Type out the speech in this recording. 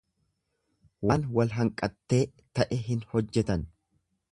Waan wal hanqattee ta'e hin hojjetan.